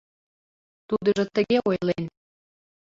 Тудыжо тыге ойлен: